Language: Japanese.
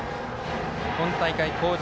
今大会、好調。